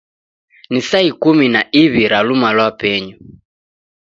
Ni saa ikumi na iwi ra luma lwa penyu.